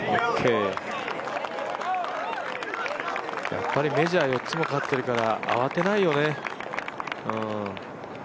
やっぱりメジャー４つも勝ってるから慌てないよね。